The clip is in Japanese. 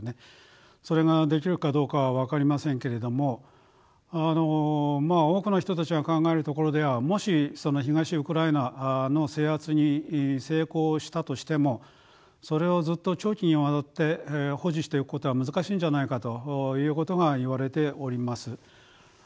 それができるかどうかは分かりませんけれども多くの人たちが考えるところではもしその東ウクライナの制圧に成功したとしてもそれをずっと長期にわたって保持していくことは難しいんじゃないかということがいわれております。